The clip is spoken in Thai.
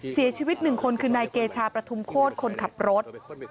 เสียชีวิตหนึ่งคนคือนายเกชาประทุมโคตรคนขับรถ